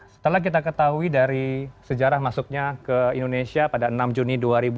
setelah kita ketahui dari sejarah masuknya ke indonesia pada enam juni dua ribu dua puluh